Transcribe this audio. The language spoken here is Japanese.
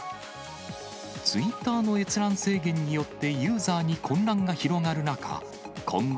ツイッターの閲覧制限によって、ユーザーに混乱が広がる中、今後、